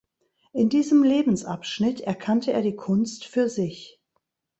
In diesem Lebensabschnitt erkannte er die Kunst für sich.